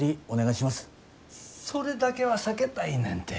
それだけは避けたいねんて。